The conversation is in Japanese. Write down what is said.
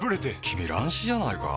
君乱視じゃないか？